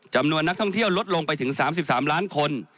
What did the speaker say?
จำนวนนักท่องเที่ยวลดลงไปถึง๓๓ล้านคน